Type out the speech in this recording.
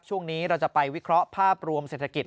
ช่วงนี้เราจะไปวิเคราะห์ภาพรวมเศรษฐกิจ